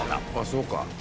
そうか。